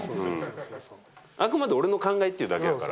あくまで俺の考えっていうだけだから。